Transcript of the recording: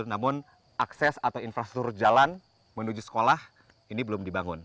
namun akses atau infrastruktur jalan menuju sekolah ini belum dibangun